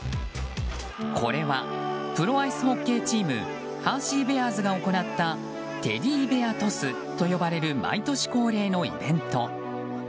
これはプロアイスホッケーチームハーシーベアーズが行ったテディベアトスと呼ばれる毎年恒例のイベント。